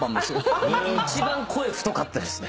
一番声太かったですね。